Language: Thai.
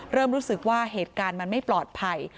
เริ่มรู้สึกว่าเหตุการณ์มันไม่ปลอดภัย